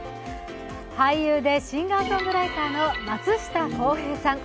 俳優でシンガーソングライターの松下洸平さん。